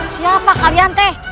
siapa kalian teh